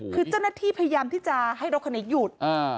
คือเจ้าหน้าที่พยายามที่จะให้รถคันนี้หยุด